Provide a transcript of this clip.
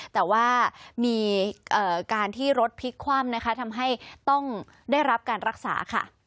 แต่ว่ามีการที่รถพลิกคว่ำนะคะทำให้ต้องได้รับการรักษาค่ะ